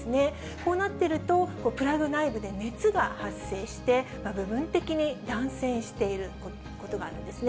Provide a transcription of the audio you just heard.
こうなっていると、プラグ内部で熱が発生して、部分的に断線していることがあるんですね。